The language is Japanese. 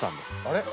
あれ？